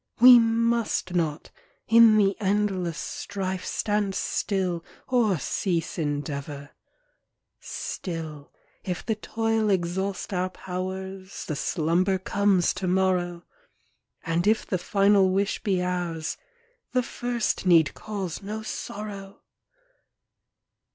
We must not, in the endless strife, Stand still, or cease endeavour. Still, if the toil exhaust our powers. The slumber comes to morrow; And if the final wish be ours, The first need cause no sorrow!